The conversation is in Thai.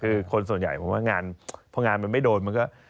คือคนส่วนใหญ่ผมว่างานพองานมันไม่โดนมันก็